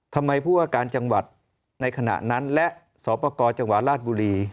ทำไมผู้ว่าการจังหวัดในขณะนั้นและสอบประกอบจังหวัดราชบุรี